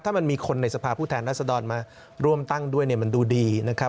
ถ้ามันมีคนในสภาพผู้แทนรัศดรมาร่วมตั้งด้วยเนี่ยมันดูดีนะครับ